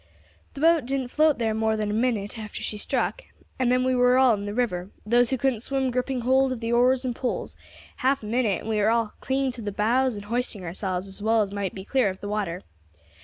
The boat didn't float more than a minute after she struck, and then we were all in the river, those who couldn't swim gripping hold of the oars and poles; half a minute and we were all clinging to the boughs, and hoisting ourselves as well as might be clear of the water.